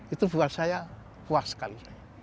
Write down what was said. itu buat saya puas sekali